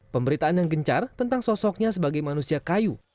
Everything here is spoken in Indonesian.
pemberitaan yang gencar tentang sosoknya sebagai manusia kayu